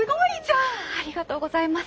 ありがとうございます。